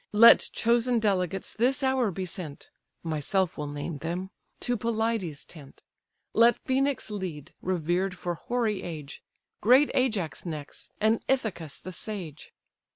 Let chosen delegates this hour be sent (Myself will name them) to Pelides' tent. Let Phœnix lead, revered for hoary age, Great Ajax next, and Ithacus the sage.